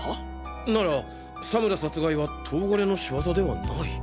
なら佐村殺害は東金の仕業ではない？